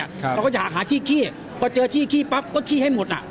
เราก็จะหาที่ขี้พอเจอที่ขี้ปั๊บก็ขี้ให้หมดอ่ะ